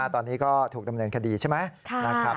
ตอนนี้ก็ถูกดำเนินคดีใช่ไหม